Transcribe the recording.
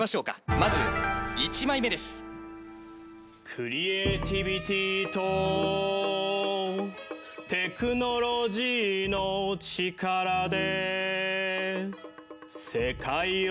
クリエイティビティとテクノロジーの力で。